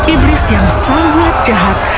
iblis yang sangat jahat